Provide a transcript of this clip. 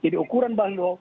jadi ukuran mbak baliho